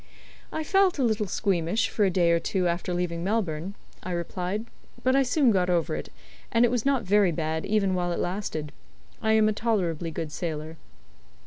"I felt a little squeamish for a day or two after leaving Melbourne," I replied, "but I soon got over it, and it was not very bad even while it lasted. I am a tolerably good sailor."